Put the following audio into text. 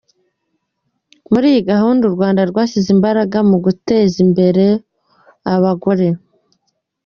Muri iyi gahunda u Rwanda rwashyize imbaraga mu guteza